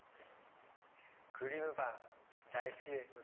クリームパン大好きです。